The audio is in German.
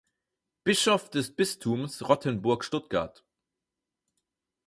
Bischof des Bistums Rottenburg-Stuttgart.